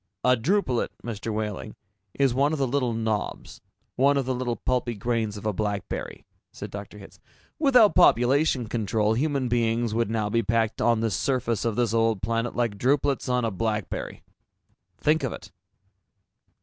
"A drupelet, Mr. Wehling, is one of the little knobs, one of the little pulpy grains of a blackberry," said Dr. Hitz. "Without population control, human beings would now be packed on this surface of this old planet like drupelets on a blackberry! Think of it!"